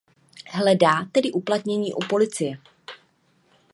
Hledá tedy uplatnění u policie.